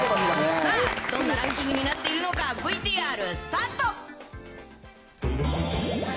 さあ、どんなランキングになっているのか、ＶＴＲスタート。